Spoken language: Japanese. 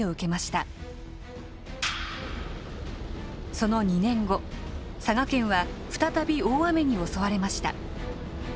その２年後佐賀県は再び大雨に襲われました。